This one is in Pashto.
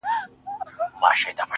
د ګیلاس لوري د شراب او د مینا لوري.